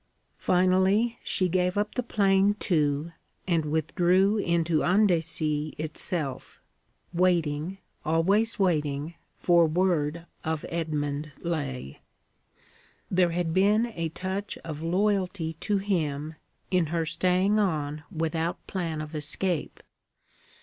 Finally she gave up the plain too, and withdrew into Andecy itself, waiting, always waiting, for word of Edmund Laye. There had been a touch of loyalty to him in her staying on without plan of escape.